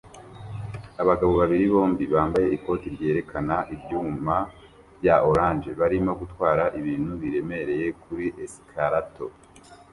Abagabo babiri bombi bambaye ikoti ryerekana ibyuma bya orange barimo gutwara ibintu biremereye kuri escalator